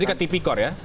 jadi ke tipikor ya